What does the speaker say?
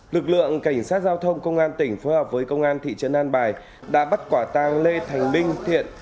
lực lượng cảnh sát giao thông công an tỉnh phối hợp với công an thị trấn an bài đã bắt quả tang lê thành minh thiện